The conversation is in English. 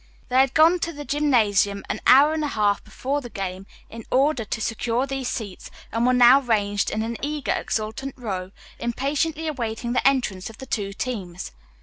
They had gone to the gymnasium an hour and a half before the game in order to secure these seats, and were now ranged in an eager, exultant row, impatiently awaiting the entrance of the two teams.